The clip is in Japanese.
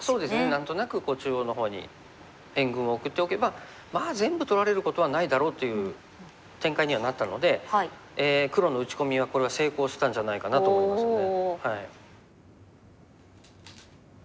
何となく中央の方に援軍を送っておけばまあ全部取られることはないだろうっていう展開にはなったので黒の打ち込みはこれは成功したんじゃないかなと思いますね。